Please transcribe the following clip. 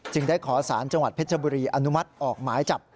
ได้ขอสารจังหวัดเพชรบุรีอนุมัติออกหมายจับ